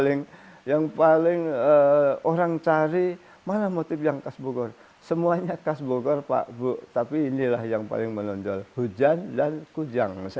ialah wahyu afandi suradinata